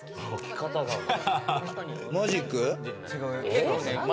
マジック？